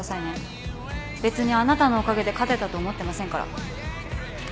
別にあなたのおかげで勝てたと思ってませんから。